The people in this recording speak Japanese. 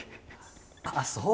ああそう。